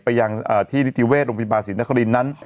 ไปยังที่นิติเวทย์โรงพิบารสินคลินทร์นั้น